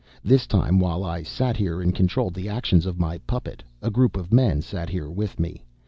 This time, while I sat here and controlled the actions of my puppet, a group of men sat here with me.